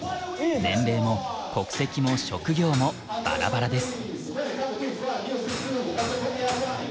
年齢も国籍も職業もバラバラです。